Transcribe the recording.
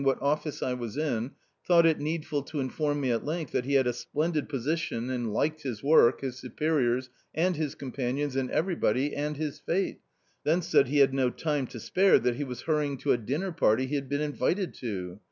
what office I was in, thought it needful to inform me at length that he had a splendid position and liked his work, his superiors, and his com panions, and everybody, and his fate ; then said he had no time to spare, that he was hurrying to a dinner party he had been invited to.